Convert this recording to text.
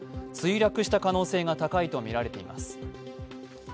墜落した可能性が高いとみられています。